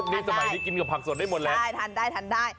อยู่สมัยที่กินกับผักสดได้หมดแหละ